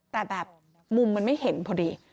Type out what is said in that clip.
แต่แบบมุมมันไม่เห็นพอดี